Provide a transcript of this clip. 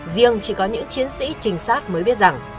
riêng chỉ có những chiến sĩ trinh sát mới biết rằng